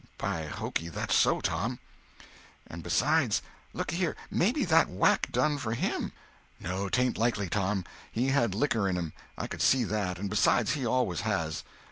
"By hokey, that's so, Tom!" "And besides, look a here—maybe that whack done for him!" "No, 'taint likely, Tom. He had liquor in him; I could see that; and besides, he always has.